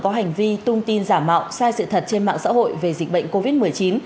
có hành vi tung tin giả mạo sai sự thật trên mạng xã hội về dịch bệnh covid một mươi chín